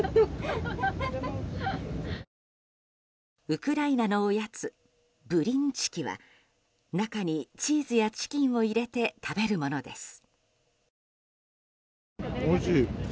ウクライナのおやつブリンチキは中にチーズやチキンを入れて食べるものです。